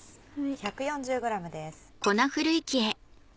１４０ｇです。